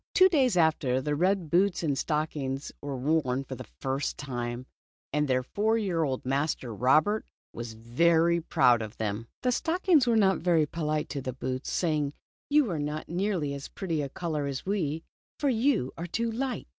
Two days after, the red boots and stockings were worn for the first time, and their four year old master Robert was very proud of them. The stockings were not very polite to the boots, saying : "You are not nearly as pretty a color as we, for you are too light." 204 Red Boots.